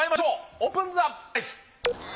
オープンザプライス。